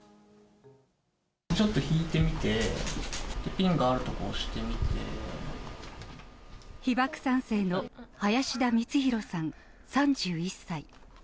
ちょっと引いてみて、被爆３世の林田光弘さん３１歳。